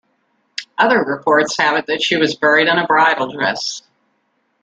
Other reports have it that she was buried in a bridal dress.